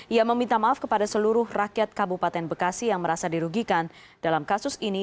ia meminta maaf kepada seluruh rakyat kabupaten bekasi yang merasa dirugikan dalam kasus ini